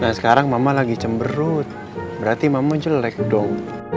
nah sekarang mama lagi cemberut berarti mama jelek dong